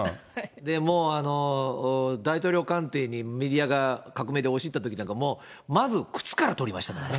もう大統領官邸にメディアが革命で押し入ったときなんかも、もうまず靴から撮りましたからね。